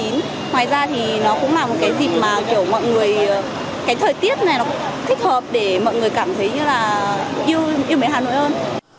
ngoài ra thì nó cũng là một cái dịp mà kiểu mọi người cái thời tiết này nó thích hợp để mọi người cảm thấy như là yêu mến hà nội hơn